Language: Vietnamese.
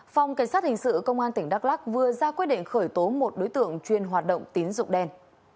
phòng cảnh sát hình sự công an tỉnh đắk lắc vừa ra quyết định khởi tố một đối tượng chuyên hoạt động tín dụng đen